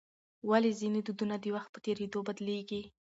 ولې ځینې دودونه د وخت په تېرېدو بدلیږي؟